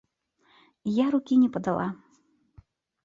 Я рукі не падала.